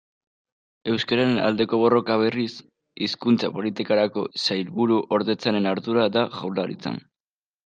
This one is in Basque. Euskararen aldeko borroka, berriz, Hizkuntza Politikarako Sailburuordetzaren ardura da Jaurlaritzan.